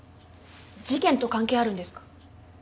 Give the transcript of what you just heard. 事件と関係あるんですか？